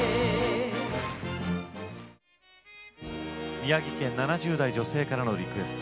宮城県７０代女性からのリクエスト